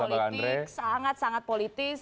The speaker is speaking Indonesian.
tahun tahun politik sangat sangat politis